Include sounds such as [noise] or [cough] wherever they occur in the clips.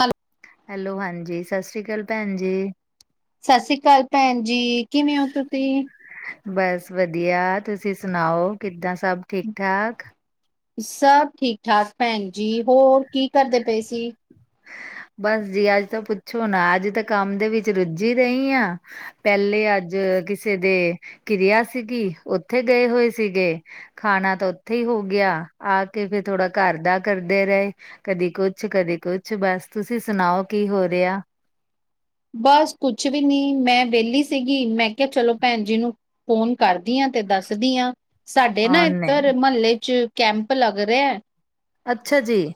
Hello! Hello ਹਾਂਜੀ, ਸ਼ਸਰੀ ਅਕਾਲ ਭੈਣ ਜੀ। ਸਸਰੀ ਅਕਾਲ ਭੈਣ ਜੀ, ਕਿਵੇਂ ਹੋ ਤੂਸੀਂ? ਬਸ ਵਧੀਆ, ਤੁਸੀਂ ਸੁਣਾਓ ਕਿੱਦਾਂ ਸਭ ਠੀਕ-ਠਾਕ? ਸਭ ਠੀਕ-ਠਾਕ ਭੈਣ ਜੀ, ਹੋਰ ਕੀ ਕਰਦੇ ਪਏ ਸੀ? ਬਸ ਜੀ ਅੱਜ ਤਾਂ ਪੁੱਛੋ ਨਾ, ਅੱਜ ਤਾਂ ਕੰਮ ਦੇ ਵਿੱਚ ਰੁੱਝੀ ਰਹੀ ਆ ਪਹਿਲੇ ਅੱਜ ਕਿਸੇ ਦੇ ਕਿਰਿਆ ਸੀਗੀ, ਉੱਥੇ ਗਏ ਹੋਏ ਸੀਗੇ ਖਾਣਾ ਤਾਂ ਉੱਥੇ ਹੀ ਹੋ ਗਿਆ, ਆ ਕੇ ਥੋੜਾ ਘਰ ਦਾ ਰਹੇ ਕਦੀ ਕੁੱਛ-ਕਦੀ ਕੁਛ ਬਸ, ਤੁਸੀਂ ਸੁਣਾਓ ਕੀ ਹੋ ਰਿਹਾ? ਬਸ ਕੁਛ ਵੀ ਨੀ, ਮੈਂ ਵਿਹਲੀ ਸੀਗੀ, ਮੈਂ ਕਿਹਾ ਚਲੋ ਭੈਣ ਜੀ ਨੂੰ ਫੋਨ ਕਰਦੀ ਆ ਤੇ ਦੱਸਦੀ ਆ ਸਾਡੇ ਨਾ ਔ ਨਹੀਂ ਇੱਧਰ ਮਹੱਲੇ ਚ ਕੈਂਪ ਲੱਗ ਰਿਹਾ ਅੱਛਾ ਜੀ!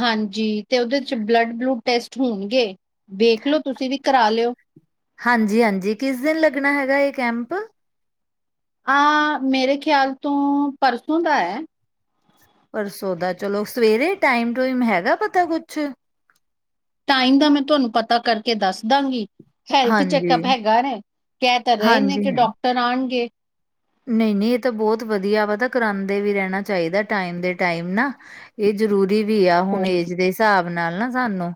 ਹਾਂਜੀ, ਤੇ ਉਹਦੇ ਚ ਬਲੱਡ-ਬਲੂਡ ਟੈਸਟ ਹੋਣਗੇ, ਵੇਖ ਲੋ ਤੁਸੀਂ ਵੀ ਕਰਾ ਲਿਓ। ਹਾਂਜੀ-ਹਾਂਜੀ ਕਿਸ ਦਿਨ ਲੱਗਣਾ ਹੈਗਾ ਇਹ ਕੈਂਪ? ਆ ਮੇਰੇ ਖਿਆਲ ਤੋਂ ਪਰਸੋਂ ਦਾ ਐ। ਪਰਸੋ ਦਾ ਚਲੋ, ਸਵੇਰੇ ਟਾਈਮ- ਟੀਊਮ ਹੈਗਾ ਪਤਾ ਕੁਛ? ਟਾਈਮ ਦਾ ਮੈਂ ਤੋਨੂੰ ਪਤਾ ਕਰਕੇ ਦੱਸਦਾਗੀ, ਹੈਲਥ ਹਾਂਜੀ ਚੈੱਕਅਪ ਹੈਗਾ ਹੈ। ਕਹਿ ਤਾਂ ਰਹੇ ਨੇ ਕਿ ਡਾਕਟਰ ਆਣਗੇ। ਨਹੀਂ-ਨਹੀਂ ਇਹ ਤਾਂ ਬਹੁਤ ਵਧੀਆ ਵਾ, ਕਰਾਂਦੇ ਵੀ ਰਹਿਣਾ ਚਾਹੀਦਾ ਟਾਈਮ ਦੇ ਟਾਈਮ ਨਾ। ਇਹ ਜ਼ਰੂਰੀ ਵੀ ਆ ਹੋ ਹੁਣ ਏਜ ਦੇ ਹਿਸਾਬ ਨਾਲ ਨਾ ਸਾਂਨੂੰ।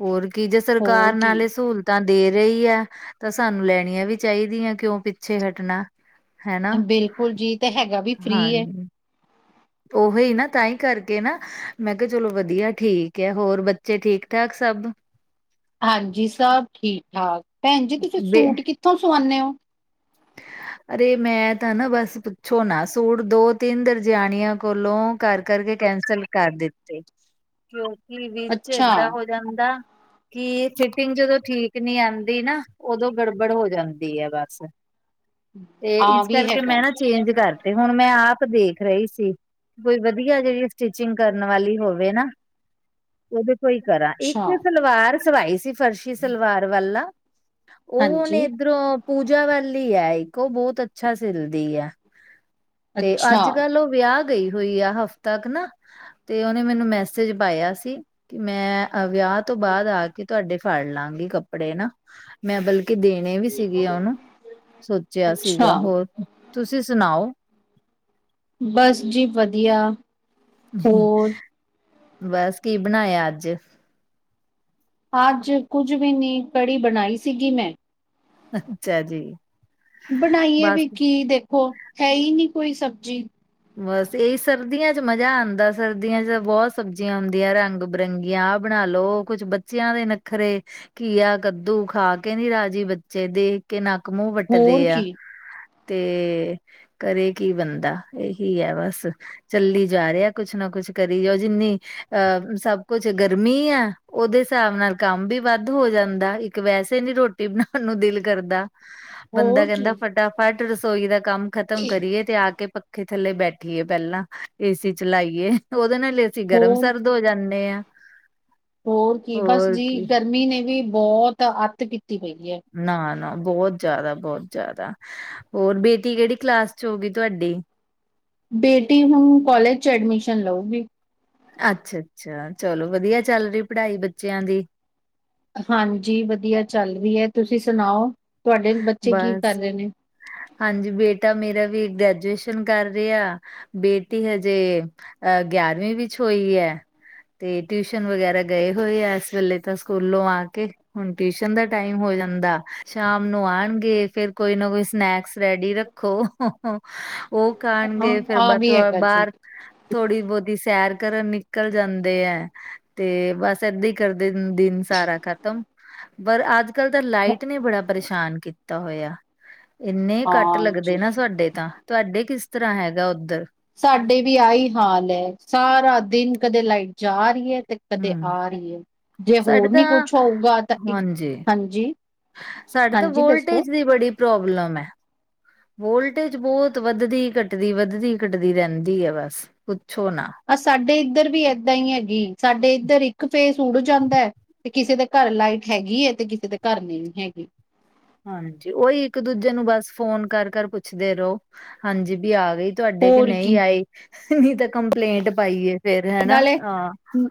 ਹੋਰ ਕੀ ਜੇ ਸਰਕਾਰ ਹੋਰ ਕੀ ਨਾਲ ਇਹ ਸਹੂਲ ਤਾਂ ਦੇ ਰਹੀ ਆ, ਤਾਂ ਸਾਨੂੰ ਲੈਣੀਆਂ ਵੀ ਚਾਹੀਦੀਆਂ, ਕਿਉਂ ਪਿੱਛੇ ਹਟਣਾ। ਹਨਾ ਬਿਲਕੁਲ ਜੀ, ਤਾਂ ਹੈਗਾ ਵੀ ਫ੍ਰਰੀ ਐ। ਹਾਂਜੀ ਉਹੀ ਨਾ ਤਾਂ ਹੀ ਕਰਕੇ ਨਾ, ਮੈਂ ਕਿਹਾ ਚਲੋ ਵਧੀਆ ਠੀਕ ਆ, ਹੋਰ ਬੱਚੇ ਠੀਕ ਠਾਕ ਸਭ? ਹਾਂਜੀ, ਸਬ ਠੀਕ ਠਾਕ। ਭੈਣ ਜੀ ਤੁਸੀਂ ਬੇ ਸੂਟ ਕਿੱਥੋਂ ਸਵਾਨੇ ਓ? ਅਰੇ ਮੈਂ ਤਾਂ ਨਾ ਬਸ ਪੁੱਛੋ ਨਾ, ਸੂਟ ਦੋ -ਤਿੰਨ ਦਰਜਆਣੀਆਂ ਕੋਲੋਂ ਕਰ-ਕਰ ਕਰਕੇ ਕੈਂਸਲ ਕਰ ਦਿੱਤੇ, ਕਿਉਂਕਿ ਵਿੱਚ ਅੱਛਾ ਏਦਾਂ ਹੋ ਜਾਂਦਾ ਕੀ ਫਿਟਿੰਗ ਜਦੋਂ ਠੀਕ ਨਹੀਂ ਆਂਦੀ ਨਾ, ਉਦੋਂ ਗੜਬੜ ਹੋ ਜਾਂਦੀ ਹੈ ਬਸ। ਤੇ ਆਹ ਇਸ ਵੀ ਕਰਕੇ ਹੈਗਾ ਮੈਂ ਨਾ ਚੇਂਜ ਕਰਤੇ, ਹੁਣ ਮੈਂ ਆਪ ਦੇਖ ਰਹੀ ਸੀ। ਕੋਈ ਵਧੀਆ ਜਿਹੜੀ ਸਟਿਚਿੰਗ ਕਰਨ ਵਾਲੀ ਹੋਵੇ ਨਾ ਉਹਦੇ ਤੋਂ ਹੀ ਕਰਾਂ, ਅੱਛਾ ਇੱਕ ਸਲਵਾਰ ਸਵਾਈ ਸੀ, ਫਰਸ਼ੀ ਸਲਵਾਰ ਵਾਲਾ ਓ ਹੁਨ ਹਾਂਜੀ ਏਦੱਰੋਂ ਪੂਜਾ ਵਾਲੀ ਐ, ਇਕ ਓ ਬੋਤ ਅੱਛਾ ਸਿਲਦੀ ਐ। ਤੇ ਅੱਛਾ ਆੱਜ-ਕੱਲ ਓ ਵੇਆ ਗਈ ਹੋਈ ਐ, ਹਫ਼ਤਾਕ ਨਾ। ਤੇ ਓਨੇ ਮੈਨੂੰ ਮੈਸੇਜ ਪਾਏਆ ਸੀ, ਕਿ ਮੈਂ ਅ ਵੇਆ ਤੋਂ ਬਾਦ ਆ ਕੇ ਤੂਆਡੇ ਫਾੜ ਲਾਂਗੀ ਕੱਪੜੇ ਨਾ, ਮੈਂ ਬਲਕਿ ਦੇਣੇ ਵੀ ਸੀਗੇ ਓਨੂੰ ਸੋਚੇਆ ਅੱਛਾ ਸੀਗਾ, ਹੋਰ ਤੂਸੀ ਸੁਨਾਓ? ਬੱਸ ਜੀ ਵਦੀਆ। ਬੱਸ, ਕੀ ਬਨਾਏਆ ਅੱਜ? ਆੱਜ, ਕੁੱਝ ਵੀ ਨੀ, ਕੜੀ ਬਣਾਈ ਸੀਗੀ ਮੈਂ ਅੱਛਾ ਜੀ। ਬਨਾਈਏ ਵੀ ਬਸ ਕੀ ਦੇਖੋ, ਹੈ ਈ ਨੀ ਕੋਈ ਸਬਜੀ। ਬੱਸ ਏਈ, ਸਰਦੀਆਂ ਚ ਮਜਾ ਆਂਦੈ, ਸਰਦੀਆਂ ਚ ਬੋਤ ਸਬਜੀਆਂ ਆਉਂਦੀਆਂ ਰਾਂਗ ਬਿਰੰਗੀਆਂ ਆ ਬਣਾ ਲੋ, ਓ ਕੁੱਛ ਬੱਚੇਆਂ ਦੇ ਨੱਖਰੇ। ਘੀਆ, ਕੱਦੂ ਖਾ ਕੇ ਨੀ ਰਾਜੀ ਬੱਚੇ ਦੇਖ ਕੇ ਨੱਕ, ਮੂੰਹ ਹੋਰ ਵੱਟਦੇ ਆ, ਕੀ ਤੇ ਕਰੇ ਕੀ ਬੰਦਾ। ਏਹੀ ਹੈ ਬਾੱਸ। ਚੱਲੀ ਜਾ ਰੇਆ ਕੁੱਛ ਨਾ ਕੁੱਛ ਕਰੀ ਓ ਜਿੰਨੀ ਅ ਸਬ ਕੁੱਛ ਗਰਮੀ ਐ। ਓਦੇ ਹਿਸਾਬ ਨਾਲ ਕਾੰਮ ਵੀ ਵਾੱਦ ਹੋ ਜਾਂਦਾ, ਇੱਕ ਵੈਸੇ ਨੀ ਰੋਟੀ ਬਨਾਨ ਨੂੰ ਦਿਲ ਕਰਦਾ। ਬੰਦਾ ਹੋਰ ਕੈਂਦਾ ਕੀ ਫਟਾਫਟ ਰਸੋਈ ਦਾ ਕਾੰਮ ਖ਼ਤਮ ਕਰੀਏ ਤੇ ਆ ਕੇ ਪੱਕ ਖੇ ਥੱਲੇ ਬੈਠੀਏ ਪ੍ਹੈਲਾਂ ਏਸੀ ਚਲਾਈਏ, ਓਦੇ ਨਾਲ ਏ ਅਸੀ ਗਰਮ ਹੋਰ ਸਰਦ ਹੋ ਜਾਂਨੇ ਆਂ। ਹੋਰ ਕੀ ਬੱਸ ਜੀ, ਗਰਮੀ ਨੇ ਵੀ ਬੋਤ ਆੱਤ ਕੀਤੀ ਪਈ ਐ। ਨਾ-ਨਾ ਬੋਤ ਜਾਦਾ, ਬੋਤ ਜਾਦਾ। ਹੋਰ ਬੇਟੀ ਕੈੜੀ ਕਲਾਸ ਚ ਹੋਗੀ ਤੂਆਡੀ? ਬੇਟੀ ਹੁਨ ਕੋਲਜ ਚ ਐਡਮਿਸ਼ਨ ਲਊਗੀ। ਅੱਛਾ-ਅੱਛਾ, ਚਲੋ ਵਦੀਆ ਚੱਲ ਰੀ ਪਢਾਈ ਬੱਚੇਆਂ ਦੀ? ਹਾਂਜੀ, ਵਦੀਆ ਚਾੱਲ ਰੀ ਐ, ਤੂਸੀ ਸੁਣਾਓ, ਤੂਆਡੇ ਬੱਚੇ ਕੀ ਕਾਰ ਬਸ ਰੇ ਨੇ? ਹਾਂਜੀ, ਬੇਟਾ ਮੇਰਾ ਵੀ ਗ੍ਰੈਜੂਏਸ਼ਨ ਕਾਰ ਰੇਆ ਬੇਟੀ ਹਜੇ ਅ ਗੇਆਰਵੀਂ ਵਿੱਚ ਹੋਈ ਐ ਤੇ ਟਿਊਸ਼ਨ ਵਗੈਰਾ ਗਏ ਹੋਏ ਐ, ਏਸ ਵੇਲੇ ਤਾਂ ਸੂਕੂਲੋਂ ਆ ਕੇ। ਹੁਨ ਟਿਊਸ਼ਨ ਦਾ ਟਾਈਮ ਹੋ ਜਾਂਦਾ, ਸ਼ਾਮ ਨੂੰ ਆਨਗੇ, ਫੇਰ ਕੋਈ ਨਾ ਕੋਈ ਸਨੈਕਸ ਰੈਡੀ ਰੱਖੋ, ਓ ਖਾਨਗੇ ਫੇਰ ਆਹ ਬਥ ਵੀ ਓ ਹੈਗਾ ਜੀ ਬਾਰ ਥੋੜੀ-ਬੋਤੀ ਸੈਰ ਕਰਨ ਨਿਕਲ ਜਾਂਦੇ ਐ, ਤੇ ਬੱਸ ਏਦਾਂ ਈ ਕਰਦੇ ਦਿਨ ਸਾਰਾ ਖਤਮ, ਪਰ ਆੱਜ-ਕਾੱਲ ਤੇ ਲਾਈਟ ਨੇ ਬੜਾ ਪਰੇਸ਼ਾਨ ਕੀਤਾ ਹੋਏਆ, ਇੰਨੇ ਕੱਟ ਲੱਗਦੇ ਹਾਂਜੀ। ਨਾ ਸਾਡੇ ਤਾਂ। ਤੂਆਡੇ ਕਿਸ ਤਰਾਂ ਹੈਗੈ ਓਦੱਰ? ਸਾਡੇ ਵੀ ਆਈ ਹਾਲ ਐ, ਸਾਰਾ ਦਿਨ ਕਦੇ ਲਾਈਟ ਜਾ ਰੀ ਐ, ਤੇ ਕਦੇ ਹਮ ਆ ਰੀ ਐ, ਜੇ ਸਾਡੇ ਹੋਰ ਤਾਂ ਨੀ ਕੁੱਛ ਹੋਊਗਾ, ਤਾਂ ਇੱਕ, ਹਾਂਜੀ ਹਾਂਜੀ। ਸਾਡੇ ਤਾਂ ਹਾਂਜੀ ਦੱਸੋ ਵੋਲਟੇਜ ਦੀ ਬੜੀ ਪ੍ਰੋਬਲਮ ਐ। ਵੋਲਟੇਜ ਬੋਤ ਵੱਦਦੀ-ਘੱਟਦੀ, ਵੱਦਦੀ-ਘੱਟਦੀ ਰੈਂਦੀ ਐ, ਬੱਸ। ਪੁੱਛੋ ਨਾ। ਅ ਸਾਡੇ ਇੱਦਰ ਵੀ ਏਦਾਂ ਈ ਹੈਗੀ, ਸਾਡੇ ਇੱਦਰ ਇੱਕ ਫੇਸ ਉੱਡ ਜਾਂਦੈ ਤੇ ਕਿਸੇ ਦੇ ਘਾਰ ਲਾਈਟ ਹੈਗੀ ਐ, ਤੇ ਕਿਸੇ ਦੇ ਘਾਰ ਨਈ ਹੈਗੀ। ਹਾਂਜੀ, ਓਈ ਇੱਕ ਦੂਜੇ ਨੂੰ ਬਾੱਸ ਫੋਨ ਕਾਰ-ਕਾਰ ਪੁੱਛਦੇ ਰਓ ਹਾਂਜੀ, ਬੀ ਆ ਗਈ ਤੂਆਡੇ ਕੇ ਹੋਰ ਨਈ ਕੀ ਆਈ, ਨੀ ਤੇ ਕੰਪਲੇਂਟ ਪਾਈਏ। ਫੇਰ ਹਨਾ ਨਾਲੇ, ਹਾਂ ਹੂੰ,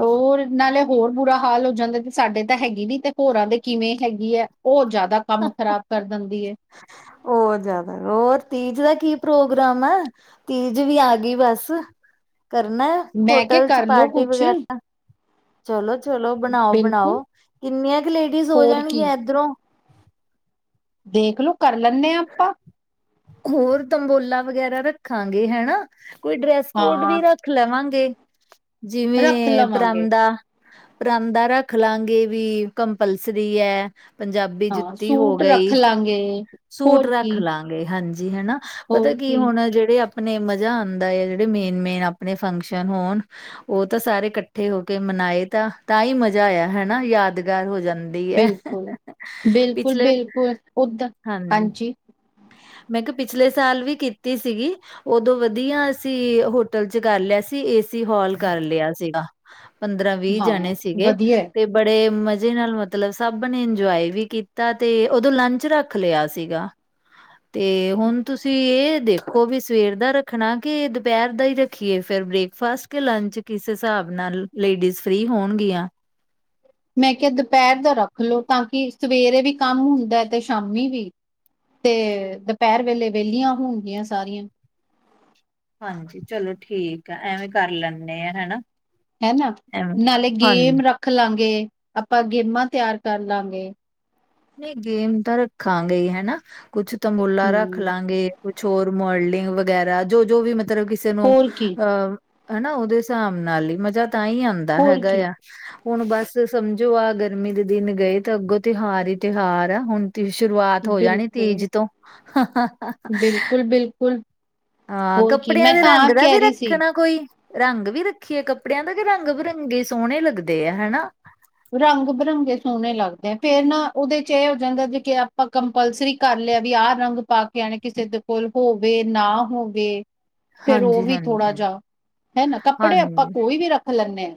ਓ ਹੋਰ ਨਾਲੇ ਹੋਰ ਬੁਰਾ ਹਾਲ ਹੋ ਜਾਂਦਾ, ਤੇ ਸਾਡੇ ਤਾਂ ਹੈਗੀ ਨੀ ਤੇ ਹੋਰਾਂ ਦੇ ਕਿਵੇਂ ਹੈਗੀ ਐ। ਓ ਜ਼ਾਦਾ ਕੰਮ ਖ਼ਰਾਬ ਕਰ ਦਿੰਦੀ ਏ। ਹੋਰ ਜ਼ਾਦਾ ਹੋਰ ਤੀਜ ਦਾ ਕੀ ਪ੍ਰੋਗਰਾਮ ਐ। ਤੀਜ ਵੀ ਆ ਗੀ ਬਸ, ਕਰਨਾ ਮੈਂ ਕਿਹਾ ਹੋਟਲ 'ਚ ਕਰਲੋ ਪਾਰਟੀ ਕੁਛ ਵਗੈਰਾ ਚਲੋ-ਚਲੋ, ਬਿਲਕੁਲ ਬਣਾਓ-ਬਣਾਓ ਕਿੰਨੀਆਂ ਕ ਲੇਡੀਜ਼ ਹੋ ਹੋਰ ਕੀ ਜਾਣਗੀਆਂ ਏਧਰੋਂ। ਦੇਖਲੋ ਕਰ ਲੈਂਣੇ ਆਂ ਆਪਾਂ। ਹੋਰ ਤੰਬੋਲਾ ਵਗੈਰਾ ਰੱਖਾਂਗੇ ਹੈਨਾ, ਕੋਈ ਡਰੈਸ ਕੋਡ ਹਾਂ ਵੀ ਰੱਖ ਰਖ ਲਵਾਂਗੇ, ਰੱਖ ਜਿਵੇਂ ਲਵਾਂਗੇ ਪਰਾਂਦਾ। ਪਰਾਂਦਾ ਰੱਖ ਲਾਂਗੇ ਵੀ ਕੰਪਲਸਰੀ ਐ, ਪੰਜਾਬੀ ਜੁੱਤੀ ਹੋ ਗਈ। ਆਂ ਗੇ। ਸੂਟ ਰੱਖ ਲਾਂਗੇ ਹਾਂਜੀ ਹਨਾ, ਪਤਾ ਕੀ ਹੁਣ ਜੇੜੇ ਅਪ ਆਪਣੇ ਮਜ਼ਾ ਆਂਦਾ ਏ, ਜੜੇ ਮੇਨ-ਮੇਨ ਆਪਣੇ ਫੰਕਸ਼ਨ ਹੋਣ। ਓ ਤਾਂ ਸਾਰੇ ਕੱਠੇ ਹੋ ਕੇ ਮਨਾਏ ਤਾਂ, ਤਾਂ ਈ ਮਜ਼ਾ ਆ ਹਨਾ ਯਾਦਗਾਰ ਹੋ ਜਾਂਦੇ। ਬਿਲਕੁਲ-ਬਿਲਕੁਲ-ਬਿਲਕੁਲ। ਹਾਂਜੀ। [inaudible] ਮੈਂ ਕਿਆ ਪਿਛਲੇ ਸਾਲ ਵੀ ਕੀਤੀ ਸੀਗੀ। ਓਦੋਂ ਵਧੀਆ ਅਸੀਂ ਹੋਟਲ 'ਚ ਕਰ ਲਿਆ ਸੀ, ਏਸੀ ਹਾਲ ਕਰ ਲਿਆ ਸੀਗਾ। ਪੰਦਰਾਂ ਵੀਅ ਹਾਂ ਜਾਣੇ ਸੀਗੇ ਵਧੀਆ ਹੈ। ਤੇ। ਬੜੇ ਮਜ਼ੇ ਨਾਲ ਮਤਲਬ ਸਭ ਨੇ ਇੰਜੋਏ ਵੀ ਕੀਤਾ, ਤੇ ਉਦੋਂ ਲੰਚ ਰੱਖ ਰੱਖ ਲਿਆ ਸੀਗਾ 'ਤੇ ਹੁਣ ਤੁਸੀਂ ਏ ਦੇਖੋ ਕੋ ਵੀ ਸਵੇਰ ਦਾ ਰੱਖਣਾ ਕੀ ਦਪੈਰ ਦਾ ਈ ਰੱਖੀਏ, ਫੇਰ ਬ੍ਰੇਕਫਾਸਟ ਕੇ ਲੰਚ ਕਿਸ ਸਾਬ ਨਾਲ। ਲੇਡੀਜ਼ ਫ੍ਰੀ ਹੋਣਗੀਆਂ। ਮੈਂ ਕਿਆ ਦਪੈਰ ਦਾ ਰੱਖ ਲੋ ਤਾਂ ਕਿ ਸਵੇਰੇ ਵੀ ਕੰਮ ਹੁੰਦਾ ਤੇ ਸ਼ਾਮੀ ਵੀ। ਤੇ ਦਪੈਰ ਵੇਲੇ ਵੈਲੀਆਂ ਹੋਣਗੀਆਂ ਸਾਰੀਆਂ। ਹਾਂਜੀ, ਚਲੋ ਠੀਕ ਆ ਐਵੇਂ ਕਰ ਲੈਂਣੇ ਆ ਹੈਨਾ। ਹੈਨਾ ਨਾਲੇ ਗੇਮ ਰੱਖ ਲਾਂਗੇ, ਆਪਾਂ ਗੇਮਾਂ ਤਿਆਰ ਕਰ ਲਾਂਗੇ। ਨਈ ਗੇਮ ਤਾਂ ਰੱਖਾਂਗੇ ਈ ਹਨਾ, ਕੁਛ ਤੰਬੋਲਾ ਰੱਖ ਹਮ ਲਾਂਗੇ, ਕੁਛ ਹੋਰ ਮੋਲਡਿੰਗ ਵਗੈਰਾ, ਜੋ-ਜੋ ਵੀ ਮਤਲਬ ਕਿਸੇ ਨੂੰ ਹੋਰ ਕੀ ਅ ਹਨਾ ਓਦੇ ਸਾਬ ਨਾਲ ਈ, ਮਜ਼ਾ ਤਾਂ ਈ ਆਂਦਾ ਹੋਰ ਹੈਗਾ ਕੀ ਆ। ਹੁਣ ਬਸ ਸਮਝੋ ਆ ਗਰਮੀ ਦੇ ਦਿਨ ਗਏ, ਤਾਂ ਅੱਗੋਂ ਤਿਹਾਰ ਈ ਤਿਹਾਰ ਆ ਹੁਣ ਤੇ ਸ਼ੁਰੂਆਤ ਹੋ ਜਾਣੀ ਬਿਲਕੁਲ ਤੀਜ ਤੋਂ। ਬਿਲਕੁਲ ਬਿਲਕੁਲ। ਆ ਹੋਰ ਕੀ ਕੱਪੜਿਆਂ ਮੈਂ ਦੇ ਤਾਂ ਰੰਗ ਆਪ ਦਾ ਕਹਿ ਵੀ ਰਹੀ ਸੀ ਰੱਖਣਾ ਕੋਈ। ਰੰਗ ਵੀ ਰੱਖੀਏ ਕੱਪੜਿਆਂ ਦਾ, ਕਿ ਰੰਗ ਬਿਰੰਗੇ ਸੋਣੇ ਲੱਗਦੇ ਆ ਹਨਾ। ਰੰਗ ਬਿਰੰਗੇ ਸੋਣੇ ਲੱਗਦੇ ਆ। ਫੇਰ ਨਾ ਓਦੇ 'ਚ ਐ ਹੋ ਜਾਂਦਾ ਜੇ ਕਿ ਆਪਾਂ ਕੰਪਲਸਰੀ ਕਰ ਲਿਆ ਵੀ ਆਹ ਰੰਗ ਪਾ ਕੇ ਆਣੇ, ਕਿਸੇ ਦੇ ਕੋਲ ਹੋਵੇ ਨਾ ਹੋਵੇ। ਫੇਰ ਓ ਵੀ ਹਾਂਜੀ-ਹਾਂਜੀ, ਥੋੜ੍ਹਾ ਹਾਂਜੀ। ਜਾ ਹੈਨਾ ਕੱਪੜੇ ਆਪਾਂ ਹਾਂਜੀ ਕੋਈ ਵੀ ਰੱਖ ਲੈਂਣੇ ਆ।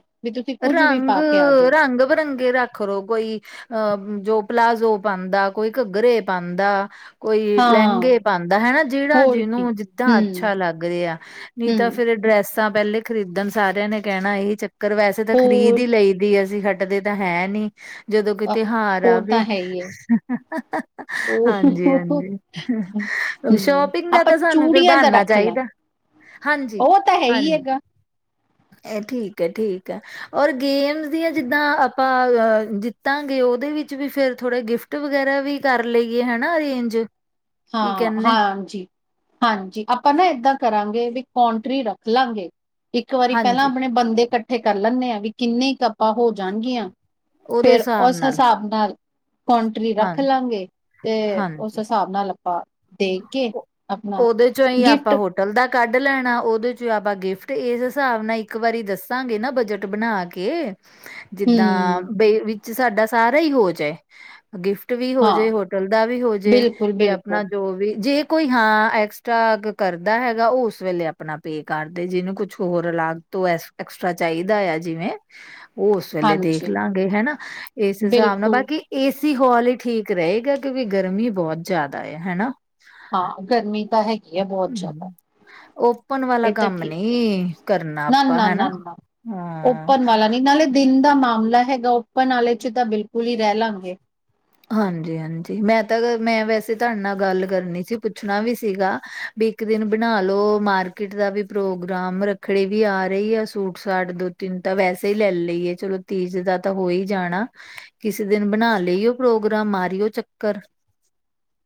ਰੰਗ, ਜਾਓ ਰੰਗ ਬਰੰਗੇ ਰੱਖ ਖਰੋ ਕੋਈ ਅਹ ਜੋ ਪਲਾਜ਼ੋ ਪਾਂਦਾ, ਕੋਈ ਘੱਗਰੇ ਪਾਂਦਾ। ਕੋਈ ਹਾਂ ਲੈਂਗੇ ਪਾਂਦਾ ਹੈਨਾ, ਜੇੜਾ ਹੋਰ ਕੀ ਜਿਨੂੰ ਜਿੱਦਾਂ ਹੂੰ ਅੱਛਾ ਲੱਗ ਰਿਆ। ਨਈ ਤਾਂ ਹੂੰ ਫੇਰ ਏ ਡਰੈਸ ਤਾਂ ਪੈਲੇ ਖਰੀਦਣ ਸਾਰਿਆਂ ਨੇ ਕੈਣਾ, ਏ ਚੱਕਰ ਵੈਸੇ ਤਾਂ ਖਰੀਦ ਹੋਰ ਈ ਲਈ ਦੀ ਅਸੀਂ ਹ ਹਟਦੇ ਤਾਂ ਹੈ ਨੀ। ਜਦੋਂ ਕੋਈ ਅ ਤਿਹਾਰ ਉਹ ਆਵੇ ਤਾਂ ਹੈ ਹੀ ਹੈ ਉਹ ਹਾਂਜੀ ਹਾਂਜੀ। ਹੂੰ ਸ਼ੋਪਿੰਗ ਦਾ ਆਪਾਂ ਤਾਂ ਸਾਨੂੰ ਕੋਈ ਚੂੜੀਆਂ ਦਾ ਬ੍ਹਾਨਾ ਰੱਖ ਲਾਂ ਚਾਈਦਾ। ਹਾਂਜੀ, ਉਹ ਤਾਂ ਹੈ ਹਾਂ ਹੀ ਹੈਗਾ ਐ ਠੀਕ ਐ ਠੀਕ ਐ ਓਰ ਗੇਮਸ ਦੀਆਂ ਜਿੱਦਾਂ ਆਪਾਂ ਅ ਜਿੱਤਾਂਗੇ ਓਦੇ ਵਿੱਚ ਵੀ ਫੇਰ ਥੋੜੇ ਗਿਫ ਟ ਵਗੈਰਾ ਵੀ ਕਰ ਲਈਏ ਹੈਨਾ ਅਰੇਂਜ ਕੀ ਹਾਂ ਕਹਿੰਦੇ ਹਾਂਜੀ। ਹਾਂਜੀ ਆਪਾਂ ਨਾ ਏਦਾਂ ਕਰਾਂਗੇ ਵੀ ਕੌਟਰੀ ਰੱਖ ਲਾਂਗੇ। ਇੱਕ ਵਾਰੀ ਪੈਲਾਂ ਹਾਂਜੀ ਅਪਨੇ ਬੰਦੇ ਕੱਠੇ ਕਰ ਲੈਂਣੇ ਆਂ ਵੀ ਕਿੰਨੇ ਕਿ ਆਪਾਂ ਹੋ ਜਾਣਗੀਆਂ। ਉਹਦੇ ਫੇਰ ਹਿਸਾਬ ਓਸ ਨਾਲ ਹਿਸਾਬ ਨਾਲ ਕੌਟਰੀ ਹਾਂ ਰੱਖ ਲਾਂਗੇ ਤੇ ਹਾਂਜੀ ਓਸ ਹਿਸਾਬ ਨਾਲ ਆਪਾਂ ਦੇਖ ਕੇ ਆਪਣਾ ਓਂਦੇ ਚੋਂ ਈ ਆਪਾਂ ਗਿਫਟ ਹੋ ਹੋਟਲ ਦਾ ਕੱਢ ਲੈਣਾ, ਓਦੇ ਚ ਆਪਾਂ ਗਿਫਟ ਇਸ ਹਿਸਾਬ ਨਾਲ ਇੱਕ ਵਾਰੀ ਦੱਸਾਂਗੇ ਨਾ ਬਜਟ ਬਣਾ ਕੇ [inaudible] ਜਿੱਦਾਂ ਬੇ ਵਿੱਚ ਸਾਡਾ ਸਾਰਾ ਈ ਹੋ ਜਾਏ। ਗਿਫਟ ਵੀ ਹਾਂ ਹੋਜੇ, ਹੋਟਲ ਦਾ ਵੀ ਹੋਜੇ ਬਿਲਕੁਲ ਤੇ ਬਿਲਕੁਲ ਅਪਨਾ ਜੋ ਵੀ ਜੇ ਕੋਈ ਹਾਂ, ਐਕਸਟਰਾ ਕਰਦਾ ਹੈਗਾ ਓ ਉਸ ਵੇਲੇ ਅਪਨਾ ਪੇ ਕਰਦੇ ਜਿਨੂੰ ਕੁਛ ਹੋਰ ਅੱਲਗ ਤੋਂ ਐਸ ਐਕਸਟਰਾ ਚਾਈਦਾ ਆ ਜਿਵੇਂ ਓ ਉਸ ਵੇਲੇ ਦੇਖ ਹਾਂਜੀ ਲਾਂਗੇ ਹੈਨਾ ਇਸ ਹਿਸਾਬ ਨਾਲ ਬਿਲਕੁਲ ਬਾਕੀ ਏਸੀ ਹਾਲ ਈ ਠੀਕ ਰਏਗਾ ਕਿਉਂਕਿ ਗਰਮੀ ਬੋਤ ਜੈਦਾ ਆ ਹੈਨਾ। ਹਾਂ ਗਰਮੀ ਤਾਂ ਹੈਗੀ ਆ ਬੋਤ ਜੈਦਾ ਓਪਨ ਵਾਲਾ ਕੰਮ ਨੀ ਕਰਨਾ ਨਾ ਆਪਾਂ ਨਾ ਨਾ ਹੈਨਾ। ਨਾ ਓਪਨ ਵਾਲਾ ਨੀ ਨਾਲੇ ਦਿਨ ਦਾ ਮਾਮਲਾ ਹੈਗਾ ਓਪਨ ਆਲੇ ਚ ਤਾਂ ਬਿਲਕੁਲ ਈ ਰੈ ਲਾਂਗੇ। ਹਾਂਜੀ-ਹਾਂਜੀ ਮੈਂ ਤਾਂ ਮੈਂ ਵੈਸੇ ਤੁਆਡੇ ਨਾਲ ਗੱਲ ਕਰਨੀ ਸੀ ਪੁੱਛਣਾ ਵੀ ਸੀਗਾ ਵੀ ਇੱਕ ਦਿਨ ਬਣਾ ਲਓ ਮਾਰਕੀਟ ਦਾ ਵੀ ਪ੍ਰੋਗਰਾਮ ਰੱਖੜੀ ਵੀ ਆ ਰਈ ਆ ਸੂਟ ਸਾਟ ਦੋ ਤਿੰਨ ਤਾਂ ਵੈਸੇ ਈ ਲੈ ਲਈਏ, ਚਲੋ ਤੀਜ ਦਾ ਤਾਂ ਹੋ ਈ ਜਾਣਾ। ਕਿਸੇ ਦਿਨ ਬਣਾ ਲਈਓ ਪ੍ਰੋਗਰਾਮ ਮਾਰੀਓ ਚੱਕਰ।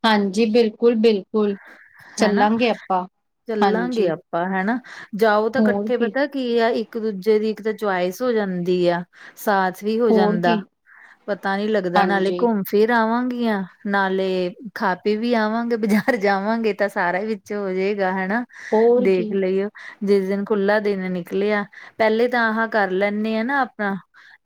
ਹਾਂਜੀ, ਬਿਲਕੁਲ-ਬਿਲਕੁਲ ਹਨਾ ਚੱਲਾਂਗੇ ਆਪਾਂ ਚੱਲਾਂਗੇ ਹਾਂਜੀ। ਆਪਾਂ ਹੈਨਾ ਜਾਓ ਤਾਂ ਕੱਠੇ ਪਤਾ ਕੀ ਆ ਇੱਕ ਦੂਜੇ ਦੀ ਇੱਕ ਤਾਂ ਚੁਆਇਸ ਹੋ ਜਾਂਦੀ ਆ। ਸਾਥ ਵੀ ਹੋ ਹੋਰ ਜਾਂਦਾ ਕੀ ਪਤਾ ਨੀ ਲੱਗਦਾ ਨਾਲੇ ਹਾਂਜੀ ਘੁੰਮ ਫਿਰ ਆਵਾਂਗੀਆ ਨਾਲੇ ਖਾ-ਪੀ ਵੀ ਆਵਾਂਗੇ ਬਾਜਾ ਰ ਜਾਵਾਂਗੇ ਤਾਂ ਸਾਰਾ ਵਿੱਚ ਹੋ ਜੇਗਾ ਹੈਨਾ ਹੋਰ ਕੀ ਦੇਖ ਲਈਉ ਜਿਸ ਦਿਨ ਖੁੱਲਾ ਦਿਨ ਨਿਕਲਿਆ ਪੈਲੇ ਤਾਂ ਆਹਾਂ ਕਰ ਲੈਂਣੇ ਆ ਨਾ ਆਪਣਾ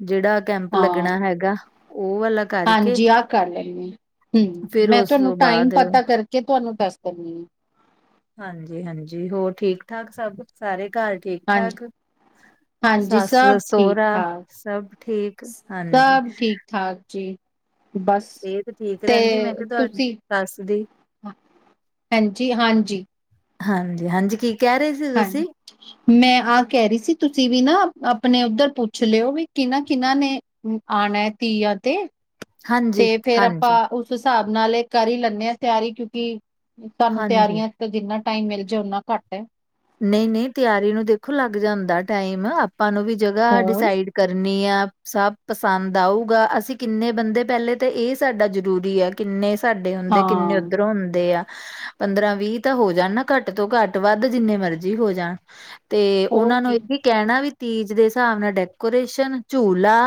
ਜੇੜਾ ਕੈਂਪ ਹਾਂ ਲੱਗਣਾ ਹੈਗਾ ਓ ਵਾਲਾ ਕਰਕੇ ਹਾਂਜੀ ਆ ਕਰ ਲੈਂਣੇ ਆ ਹੂੰ ਫਿਰ ਮੈਂ ਉਸ ਤੁਆਨੂੰ ਤੋਂ ਟਾਈਮ ਬਾਅਦ ਪਤਾ ਕਰਕੇ ਤੁਆਨੂੰ ਦੱਸ ਦਿੰਨੀ ਆ। ਹਾਂਜੀ-ਹਾਂਜੀ ਹੋਰ ਠੀਕ-ਠਾਕ ਸਬ ਸਾਰੇ ਘਰ ਹਾਂਜੀ ਠੀਕ-ਠਾਕ। ਹਾਂਜੀ ਸੱਸ ਸਭ ਠੀਕ ਸਹੁਰਾ ਠਾਕ ਸਭ ਠੀਕ ਹਾਂਜੀ। ਟਟ੍ਰਨ੍ਹਠ ਸਭ ਕਕ [inaudible] ਠੀਕ ਠਾਕ ਜੀ। ਬਸ ਸਿਹਤ ਠੀਕ ਤੇ ਰਹਿੰਦੀ ਮੈਂ ਕਿਹਾ ਤੁਹਾਡੀ ਤੁਸੀਂ ਸੱਸ ਦੀ ਹੈਂਜੀ-ਹਾਂਜੀ। ਹਾਂਜੀ, ਹਾਂਜੀ ਕੀ ਰੇ ਸੀ ਹਾਂਜੀ। ਤੁਸੀਂ? ਮੈਂ ਆ ਕੈ ਰੀ ਸੀ ਤੁਸੀਂ ਵੀ ਨਾ ਆਪਨੇ ਉੱਦਰ ਪੁੱਛ ਲਿਓ ਵੀ ਕਿਨਾ-ਕਿਨਾ ਨੇ ਆਨਾ ਤੀਆਂ ਤੇ ਹਾਂਜੀ, ਤੇ ਫੇਰ ਆਪਾਂ ਹਾਂਜੀ, ਉਸ ਹਿਸਾਬ ਨਾਲ ਏ ਕਰ ਈ ਲੈਨੇ ਆ ਤਿਆਰੀ ਕਿਉਂਕਿ ਸਾਨੂੰ ਹਾਂਜੀ। ਤਿਆਰੀਆਂ ਜਿੰਨਾ ਟਾਈਮ ਮਿਲ ਜੇ ਉਨਾਂ ਘੱਟ ਐ। ਨਈ-ਨਈ ਤਿਆਰੀ ਨੂੰ ਦੇਖੋ ਲੱਗ ਜਾਂਦਾ ਟਾਈਮ ਆਪਾਂ ਨੂੰ ਵੀ ਜਗ੍ਹਾ ਹੋਰ ਡਿਸਾਈਡ ਕਰਨੀ ਆ ਸਬ ਪਸੰਦ ਆਊਗਾ ਅਸੀਂ ਕਿੰਨੇ ਬੰਦੇ ਪੈਲੇ ਤੇ ਏ ਸਾਡਾ ਜ਼ਰੂਰੀ ਆ। ਕਿੰਨੇ ਸਾਡੇ ਹੁੰਦੇ, ਕਿੰਨੇ ਹਾਂ। ਉੱਧਰੋਂ ਹੁੰਦੇ ਆ ਪੰਦਰਾਂ -ਵੀਹ ਤਾਂ ਹੋ ਜਾਣ ਨਾ ਘੱਟ ਤੋਂ ਘੱਟ, ਵੱਧ ਜਿੰਨੇ ਮਰਜ਼ੀ ਹੋ ਜਾਣ ਤੇ ਹੋਰ ਉਹਨਾਂ ਨੂੰ, ਕੀ, ਇਹ ਵੀ ਕਹਿਣਾ ਵੀ, ਤੀਜ ਦੇ ਹਿਸਾਬ ਨਾਲ ਡੈਕੋਰੇਸ਼ਨ, ਝੂਲਾ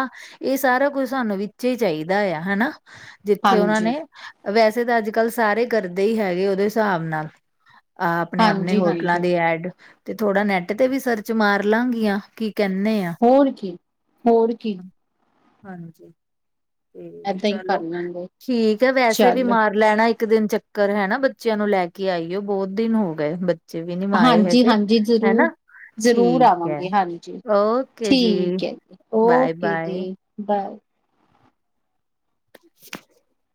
ਇਹ ਸਾਰਾ ਕੁਛ, ਸਾਨੂੰ ਵਿੱਚ ਹੀ ਚਾਹੀਦਾ ਆ ਹਨਾ ਜਿੱਥੇ ਉਹਨਾਂ ਹਾਂਜੀ, ਨੇ, ਵੈਸੇ ਤਾਂ ਅੱਜ -ਕੱਲ੍ਹ ਸਾਰੇ ਕਰਦੇ ਹੈਗੇ, ਓਹਦੇ ਹਿਸਾਬ ਨਾਲ ਆਹ ਆਪਣੇ-ਆਪਣੇ ਹਾਂਜੀ, ਹੋ ਹਾਂਜੀ ਗੈਡ ਤੇ ਥੋੜਾ ਨੈੱਟ, ਤੇ ਵੀ ਸਰਚ ਮਾਰ ਲਾ ਗੀਆਂ ਕੀ ਕਹਿੰਨੇ ਆ ਹੋਰ ਕੀ, ਹੋਰ ਕੀ, ਹਾਂਜੀ, ਤੇ ਏਦਾਂ ਹੀ ਚਲੋ ਕਰ ਲਾਂਗੇ, ਠੀਕ ਹੈ, ਵੈਸੇ ਵੀ ਚੱਲ ਮਾਰ ਲੈਣਾ ਇੱਕ ਦਿਨ ਚੱਕਰ ਹੈ ਨਾ ਬੱਚਿਆਂ ਨੂੰ ਲੈ ਕੇ ਆਈਓ, ਬਹੁਤ ਦਿਨ ਹੋ ਗੇ ਹਾਂਜੀ -ਹਾਂਜੀ ਜ਼ਰੂਰ ਜ਼ਰੂਰ ਠੀਕ ਹੈ ਆਵਾਂਗੇ, ਹਾਂਜੀ ਓਕੇ ਜੀ ਠੀਕ ਹੈ ਜੀ, ਬਾਏ ਓਕੇ ਬਾਏ ਜੀ ਬਾਏ [inaudible] [inaudible]